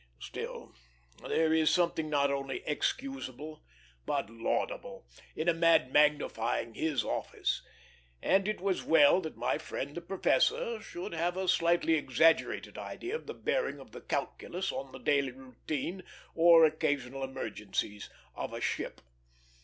Still, there is something not only excusable, but laudable, in a man magnifying his office; and it was well that my friend the professor should have a slightly exaggerated idea of the bearing of the calculus on the daily routine or occasional emergencies of a ship.